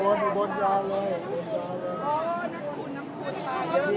ป่านแหละป่านแหละ